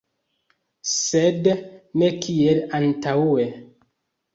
Sed ne kiel antaŭe.